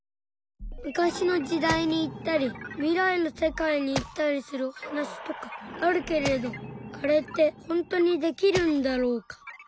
昔の時代に行ったり未来の世界に行ったりするお話とかあるけれどあれってほんとにできるんだろうか。